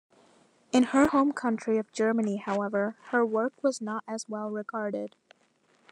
In her home country of Germany however, her work was not as well regarded.